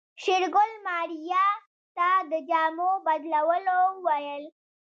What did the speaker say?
شېرګل ماريا ته د جامو بدلولو وويل.